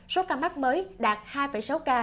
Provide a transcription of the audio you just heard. số ca mắc mới đạt hai sáu ca